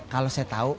kalau saya eh tau